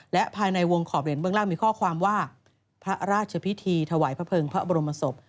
และภายในวงขอบเหรียญเบื้องล่างมีข้อความว่าพระราชพิธีถวายพระเภิงพระบรมศพ